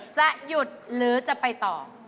จะหยุดหรือจะไปต่อ